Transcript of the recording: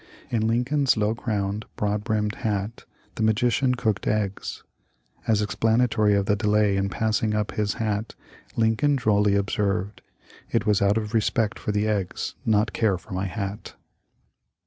In Lincoln's low crowned, broad brimmed hat the magician cooked eggs. As explanatory of the delay in passing up his hat Lin 74 THE LIFE OF LINCOLN. coin drolly observed," It was out of respect for the eggs, not care for my hat."